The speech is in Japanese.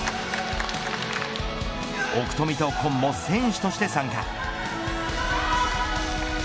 奥富と今も、選手として参加。